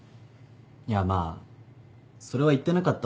いやまあそれは言ってなかった俺も悪いんで。